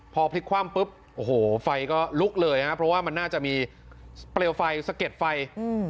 พอพลิกคว่ำปุ๊บโอ้โหไฟก็ลุกเลยฮะเพราะว่ามันน่าจะมีเปลวไฟสะเก็ดไฟอืม